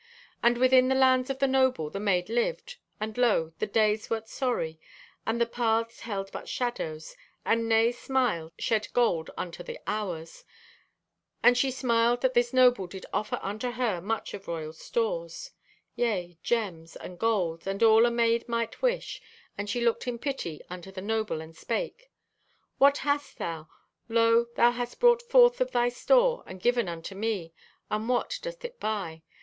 And within the lands of the noble the maid lived, and lo, the days wert sorry, and the paths held but shadows, and nay smiles shed gold unto the hours. And she smiled that this noble did offer unto her much of royal stores. Yea, gems, and gold, and all a maid might wish, and she looked in pity unto the noble and spake: "'What hast thou? Lo, thou hast brought forth of thy store and given unto me, and what doth it buy?